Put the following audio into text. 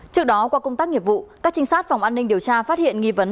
trước đó qua công tác nghiệp vụ các trinh sát phòng an ninh điều tra phát hiện nghi vấn